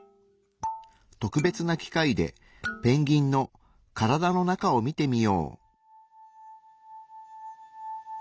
特別な機械でペンギンの体の中を見てみよう。